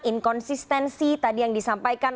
inkonsistensi tadi yang disampaikan